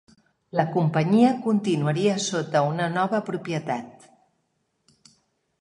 La companyia continuaria sota una nova propietat.